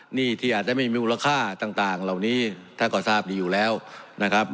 หนี้ที่อาจจะไม่มีมูลค่าต่างเหล่านี้ท่านก็ทราบดีอยู่แล้วนะครับ